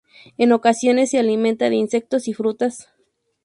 En ocasiones se alimenta de insectos y fruta.